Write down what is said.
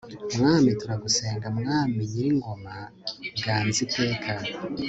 mwami turagusenga, mwami nyir'ingoma ganza iteka